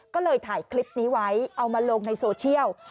ก็เลยถ่ายคลิปนี้ไว้เอามาลงในโซเชียล